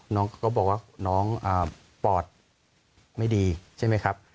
น้องก็บอกว่าน้องปอดไม่ดีใช่ไหมครับ